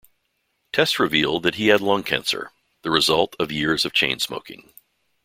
Tests revealed that he had lung cancer, the result of years of chain smoking.